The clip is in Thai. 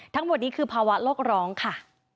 ทั้งหมดนี้คือภาวะโลกร้องค่ะ